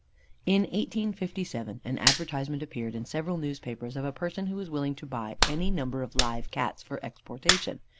In 1857 an advertisement appeared in several newspapers of a person who was willing to buy any number of live Cats for exportation.